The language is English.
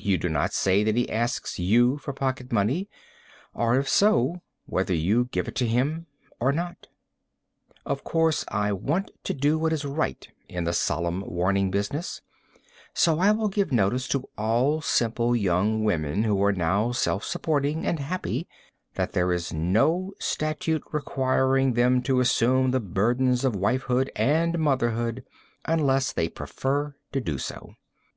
You do not say that he asks you for pocket money, or, if so, whether you give it to him or not. [Illustration: FOR REVENUE ONLY.] Of course I want to do what is right in the solemn warning business, so I will give notice to all simple young women who are now self supporting and happy, that there is no statute requiring them to assume the burdens of wifehood and motherhood unless they prefer to do so.